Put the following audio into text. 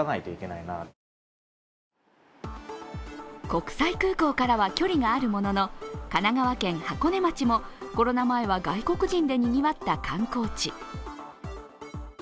国際空港からは距離があるものの、神奈川県箱根町もコロナ前は外国人でにぎわった観光地。